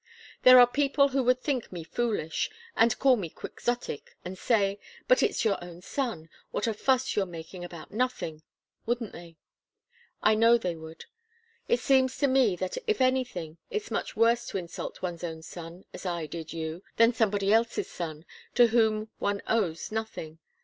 There are people who would think me foolish, and call me quixotic, and say, 'But it's your own son what a fuss you're making about nothing.' Wouldn't they? I know they would. It seems to me that, if anything, it's much worse to insult one's own son, as I did you, than somebody else's son, to whom one owes nothing.